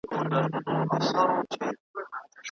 دوی هغه کوي چې تاسو یې کوئ.